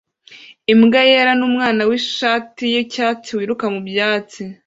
Imbwa yera n'umwana w'ishati y'icyatsi wiruka mu byatsi